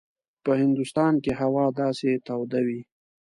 په هندوستان کې هوا داسې توده وي.